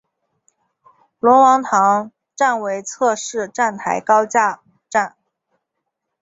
龙王塘站为侧式站台高架站。